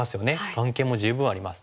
眼形も十分あります。